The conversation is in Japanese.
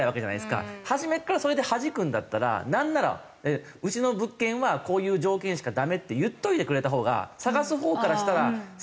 初めからそれではじくんだったらなんならうちの物件はこういう条件しかダメって言っといてくれた方が探す方からしたら誠実だし。